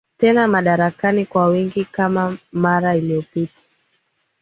tena madarakani kwa wingi kama mara iliopita